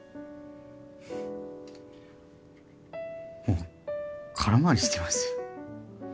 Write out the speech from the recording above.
もう空回りしてますよ。